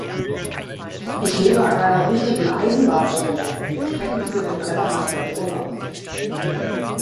Ich lebe an einer wichtigen Eisenbahnstrecke, der Strecke über den Brenner nach Verona.